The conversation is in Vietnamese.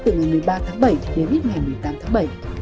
từ ngày một mươi ba tháng bảy đến một mươi tám tháng bảy